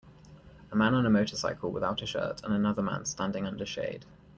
A man on a motorcycle without a shirt and another man standing under shade.